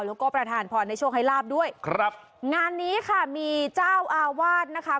แล้วก็ประธานพรในโชคให้ลาบด้วยครับงานนี้ค่ะมีเจ้าอาวาสนะคะ